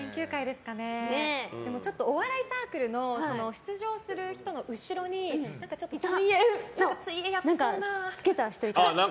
ちょっとお笑いサークルの出場する人の後ろに水泳やってそうな人が。